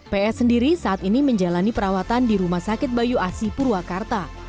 ps sendiri saat ini menjalani perawatan di rumah sakit bayu asi purwakarta